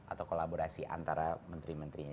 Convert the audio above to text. atau kolaborasi antara menteri menterinya